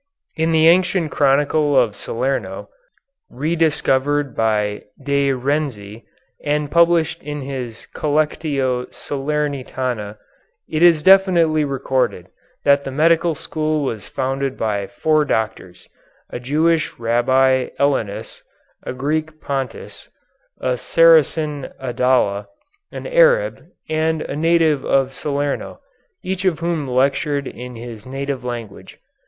In the ancient chronicle of Salerno, re discovered by De Renzi and published in his "Collectio Salernitana," it is definitely recorded that the medical school was founded by four doctors, a Jewish Rabbi Elinus, a Greek Pontus, a Saracen Adala, an Arab, and a native of Salerno, each of whom lectured in his native language.